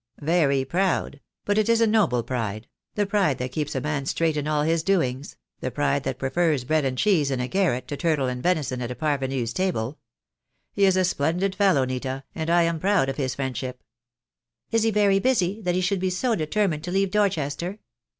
"Very proud; but it is a noble pride — the pride that keeps a man straight in all his doings — the pride that 206 THE DAY WILL COME. prefers bread and cheese in a garret to turtle and venison at a parvenu's table. He is a splendid fellow, Nita, and I am proud of his friendship." "Is he very busy, that he should be so determined to leave Dorchester?"